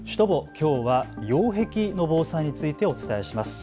きょうは擁壁の防災についてお伝えします。